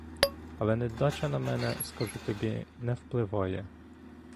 Але невдача на мене, скажу тобі, не впливає.